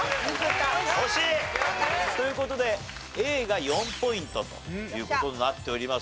惜しい！という事でＡが４ポイントという事になっております。